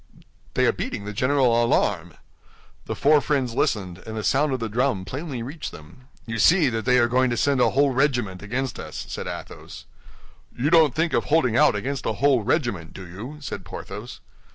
"They are beating the general alarm." The four friends listened, and the sound of the drum plainly reached them. "You see, they are going to send a whole regiment against us," said Athos. "You don't think of holding out against a whole regiment, do you?" said Porthos.